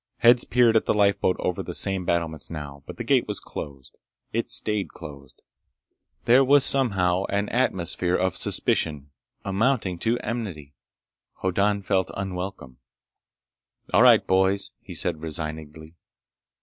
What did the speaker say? Heads peered at the lifeboat over those same battlements now, but the gate was closed. It stayed closed. There was somehow an atmosphere of suspicion amounting to enmity. Hoddan felt unwelcome. "All right, boys," he said resignedly.